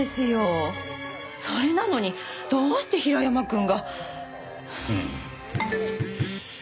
それなのにどうして平山くんが。うん。